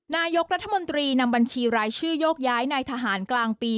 นายกรัฐมนตรีนำบัญชีรายชื่อโยกย้ายนายทหารกลางปี